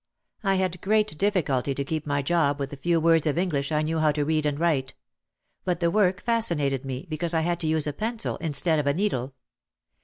I had great difficulty to keep my job with the few words of English I knew how to read and write. But the work fascinated me because I had to use a pencil instead of a needle.